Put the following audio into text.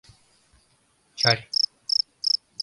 — Чарь...